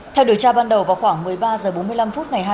theo điều tra ban đầu vào khoảng một mươi ba h bốn mươi năm phút